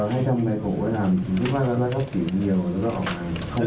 ผมไม่เหมือนไม่ให้ค่ามาตอนนั้นคือว่าผมจะขวาขึ้นไปจบทุกการ